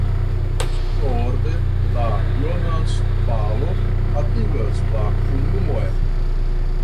Norde la Jonas-valo atingas la komunumon.